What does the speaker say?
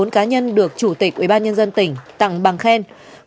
một mươi bốn cá nhân được chủ tịch ubnd tỉnh tặng bằng khen